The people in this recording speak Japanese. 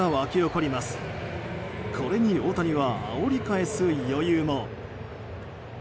これに大谷はあおり返す余裕も。